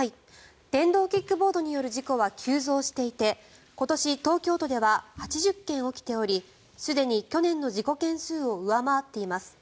電動キックボードによる事故は急増していて今年、東京都では８０件起きておりすでに去年の事故件数を上回っています。